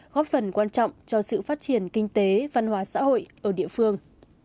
góp phần quan trọng cho sự phát triển kinh tế văn hóa xã hội ở địa phương